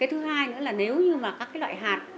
cái thứ hai nữa là nếu như các loại hạt